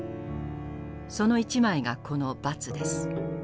その一枚がこの「伐」です。